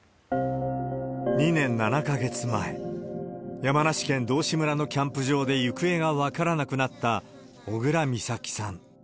２年７か月前、山梨県道志村のキャンプ場で行方が分からなくなった小倉美咲さん。